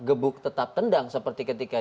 gebuk tetap tendang seperti ketika